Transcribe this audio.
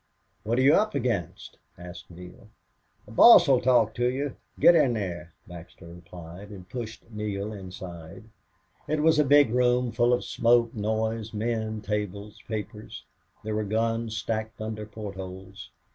"What're you up against?" asked Neale. "The boss 'll talk to you. Get in there!" Baxter replied, and pushed Neale inside. It was a big room, full of smoke, noise, men, tables, papers. There were guns stacked under port holes.